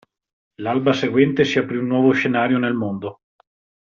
L'alba seguente si aprì un nuovo scenario nel mondo.